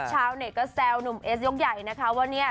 ชาวเน็ตก็แซวหนุ่มเอสยกใหญ่นะคะว่าเนี่ย